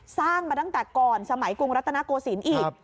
สร้างมาตั้งแต่ก่อนสมัยกรุงรัตนโกศิลป์อีก